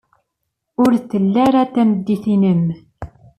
Ur tella ara d tamidit-nnem?